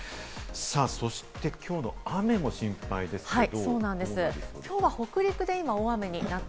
そして、きょうの雨も心配ですけれど。